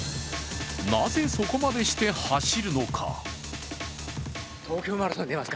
なぜそこまでして走るのか。